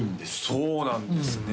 そうなんですね